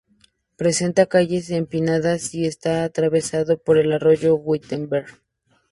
Presenta calles empinadas y está atravesado por el arroyo Wittenberg.